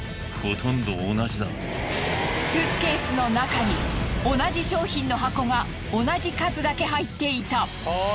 スーツケースの中に同じ商品の箱が同じ数だけ入っていた。